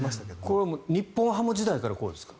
これは日本ハム時代からこうですか？